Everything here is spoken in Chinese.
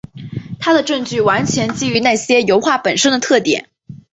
他的证据完全基于那些油画本身的特点。